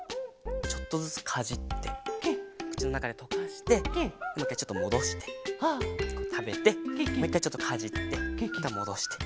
ちょっとずつかじってくちのなかでとかしてもういっかいちょっともどしてたべてもういっかいちょっとかじってまたもどして。